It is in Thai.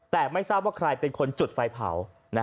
แต่ไม่ทราบว่าใครเป็นคนจุดไฟเผา